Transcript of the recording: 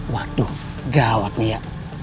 waduh gawat nih ya